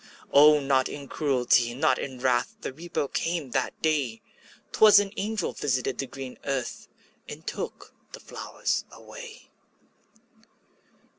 O, not in cruelty, not in wrath, The Reaper came that day; 'Twas an angel visited the green earth, And took the flowers away.